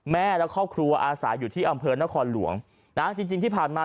แม่และครอบครัวอาศัยอยู่ที่อำเภอนครหลวงนะจริงจริงที่ผ่านมา